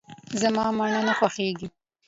زما منی نه خوښيږي.